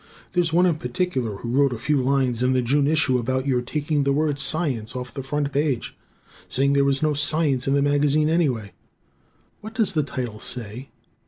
There's one in particular who wrote a few lines in the June issue about your taking the word "science" off the front page, saying there was no science in the magazine, anyway. What does the title say?